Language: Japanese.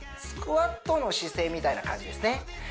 スクワットの姿勢みたいな感じですね